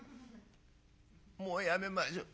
「もうやめましょ。